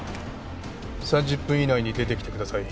３０分以内に出てきてください。